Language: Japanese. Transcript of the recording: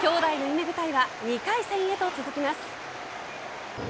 兄弟の夢舞台は２回戦へと続きます。